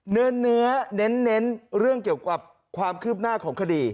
เนื้อเน้นเรื่องเกี่ยวกับความคืบหน้าของคดี